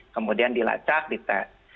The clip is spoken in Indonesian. kemudian dilacak ditest